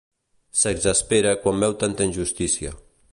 S'exaspera quan veu tanta injustícia.